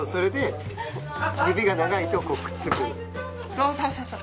そうそうそうそう！